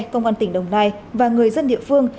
công an tỉnh đồng nai và người dân địa phương